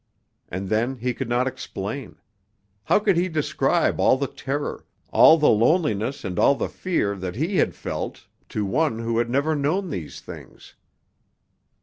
And then he could not explain. How could he describe all the terror, all the loneliness and all the fear that he had felt to one who had never known these things?